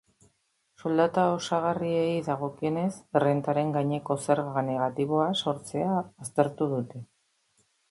Soldata osagarriei dagokienez, errentaren gaineko zerga negatiboa sortzea aztertu dute.